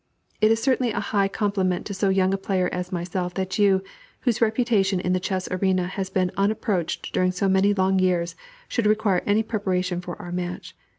"It is certainly a high compliment to so young a player as myself that you, whose reputation in the chess arena has been unapproached during so many long years, should require any preparation for our match.